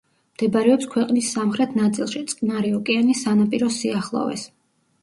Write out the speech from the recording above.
მდებარეობს ქვეყნის სამხრეთ ნაწილში, წყნარი ოკეანის სანაპიროს სიახლოვეს.